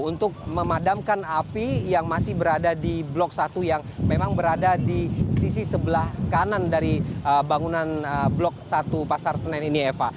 untuk memadamkan api yang masih berada di blok satu yang memang berada di sisi sebelah kanan dari bangunan blok satu pasar senen ini eva